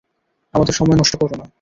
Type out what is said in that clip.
আমাদের সময় নষ্ট কোরো না।